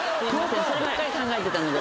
そればっかり考えてたので。